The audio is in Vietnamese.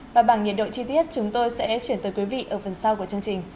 và bằng nhiệt độ chi tiết chúng tôi sẽ chuyển tới quý vị ở phần sau của chương trình